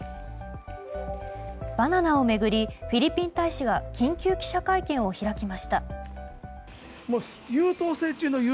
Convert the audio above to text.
バナナを巡りフィリピン大使が緊急記者会見を開きました。